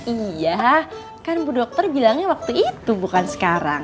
iya kan bu dokter bilangnya waktu itu bukan sekarang